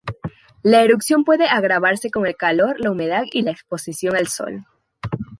La erupción puede agravarse con el calor, la humedad y la exposición al sol.